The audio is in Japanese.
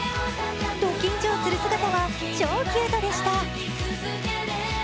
ド緊張する姿は超スイートでした。